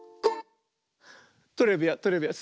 トレビアントレビアン。